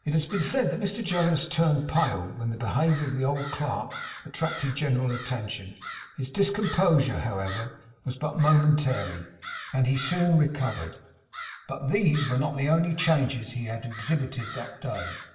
It has been said that Mr Jonas turned pale when the behaviour of the old clerk attracted general attention; his discomposure, however, was but momentary, and he soon recovered. But these were not the only changes he had exhibited that day.